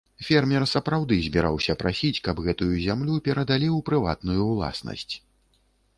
Фермер сапраўды збіраўся прасіць, каб гэтую зямлю перадалі ў прыватную ўласнасць.